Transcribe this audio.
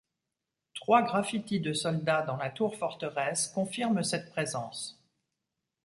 Trois graffitis de soldat dans la tour-forteresse confirment cette présence.